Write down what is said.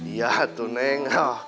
iya tuh neng